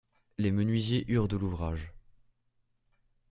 Les menuisiers eurent de l’ouvrage.